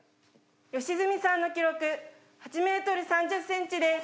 良純さんの記録８メートル３０センチです。